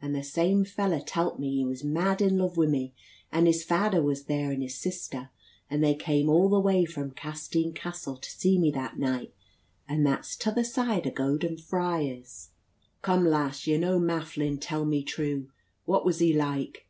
And the same fella telt me he was mad in luv wi' me, and his fadder was there, and his sister, and they came all the way from Catstean Castle to see me that night; and that's t' other side o' Gouden Friars." "Come, lass, yer no mafflin; tell me true. What was he like?